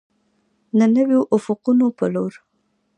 د نویو افقونو په لور.